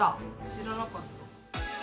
知らなかった。